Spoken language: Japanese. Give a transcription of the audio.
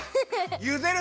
ゆでる